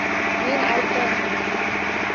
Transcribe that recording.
Men aybdorman.